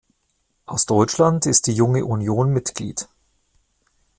Aus Deutschland ist die Junge Union Mitglied.